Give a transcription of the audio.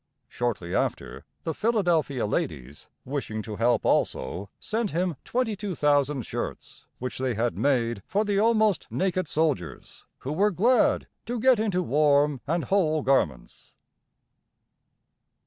Shortly after, the Philadelphia ladies, wishing to help also, sent him twenty two thousand shirts, which they had made for the almost naked soldiers, who were glad to get into warm and whole garments.